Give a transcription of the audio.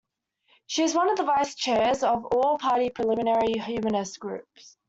She is one of the Vice Chairs of the All-Party Parliamentary Humanist Group.